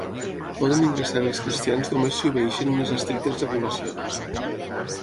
Poden ingressar-hi els cristians només si obeeixen unes estrictes regulacions.